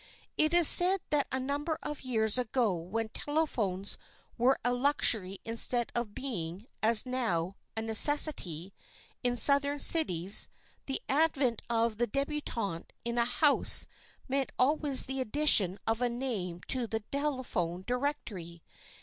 It is said that a number of years ago when telephones were a luxury instead of being, as now, a necessity, in southern cities, the advent of the débutante in a house meant always the addition of a name to the telephone directory.